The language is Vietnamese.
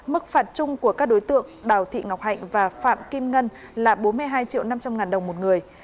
mức phạt chung của các đối tượng đào thị ngọc hạnh và phạm kim ngân là bốn mươi hai triệu năm trăm linh ngàn đồng một người